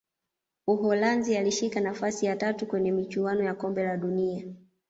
uholanzi alishika nafasi ya tatu kwenye michuano ya kombe la dunia